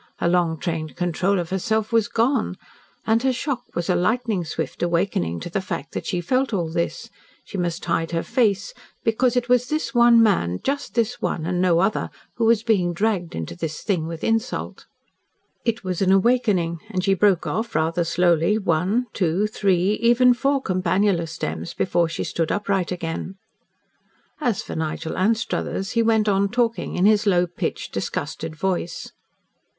Her long trained control of herself was gone. And her shock was a lightning swift awakening to the fact that she felt all this she must hide her face because it was this one man just this one and no other who was being dragged into this thing with insult. It was an awakening, and she broke off, rather slowly, one two three even four campanula stems before she stood upright again. As for Nigel Anstruthers he went on talking in his low pitched, disgusted voice.